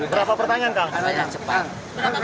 berapa pertanyaan pak